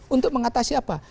untuk mengatasi apa